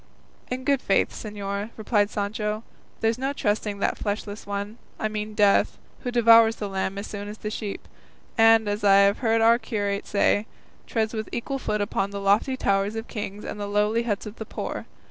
"In good faith, señor," replied Sancho, "there's no trusting that fleshless one, I mean Death, who devours the lamb as soon as the sheep, and, as I have heard our curate say, treads with equal foot upon the lofty towers of kings and the lowly huts of the poor.